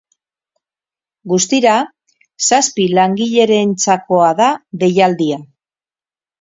Guztira, zazpi langilerentzakoa da deialdia.